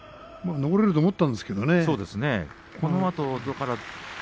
残れると思ったんですけどもね。